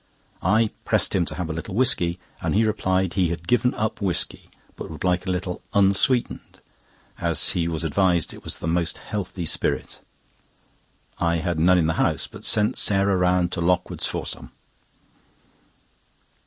I pressed him to have a little whisky, and he replied that he had given up whisky; but would like a little "Unsweetened," as he was advised it was the most healthy spirit. I had none in the house, but sent Sarah round to Lockwood's for some.